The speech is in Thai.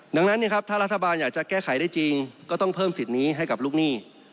ดังนั้นถ้ารัฐบาลอยากจะแก้ไขได้จริงก็ต้องเพิ่มสิทธิ์นี้ให้กับลูกหนี้